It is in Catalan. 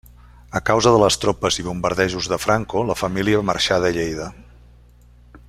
A causa de les tropes i bombardejos de Franco, la família marxà de Lleida.